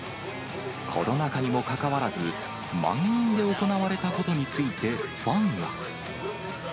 コロナ禍にもかかわらず、満員で行われたことについて、ファンは。